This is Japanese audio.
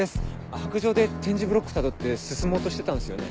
白杖で点字ブロックたどって進もうとしてたんすよね。